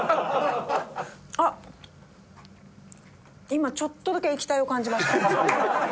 今ちょっとだけ液体を感じました。